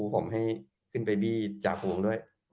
ตัดครับตัดตัด